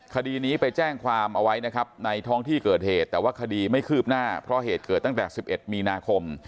คดีนี้ไปแจ้งความเอาไว้นะครับในท้องที่เกิดเหตุแต่ว่าคดีไม่คืบหน้าเพราะเหตุเกิดตั้งแต่๑๑มีนาคม